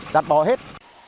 chặt bỏ hết